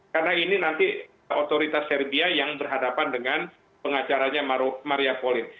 karena ini nanti otoritas serbia yang berhadapan dengan pengacaranya maria colin